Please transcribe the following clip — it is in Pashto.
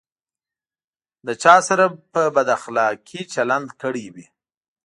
له چا سره په بد اخلاقي چلند کړی وي.